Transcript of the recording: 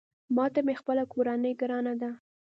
ماته مې خپله کورنۍ ګرانه ده